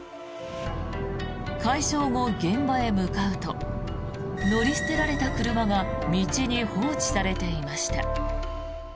解消後、現場へ向かうと乗り捨てられた車が道に放置されていました。